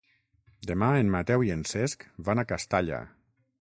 Demà en Mateu i en Cesc van a Castalla.